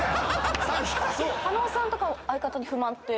加納さんとか相方に不満って。